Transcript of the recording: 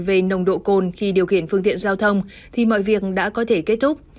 về nồng độ cồn khi điều khiển phương tiện giao thông thì mọi việc đã có thể kết thúc